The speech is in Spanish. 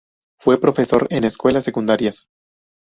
Fue profesor en escuelas secundarias.